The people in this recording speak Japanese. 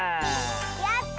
やった！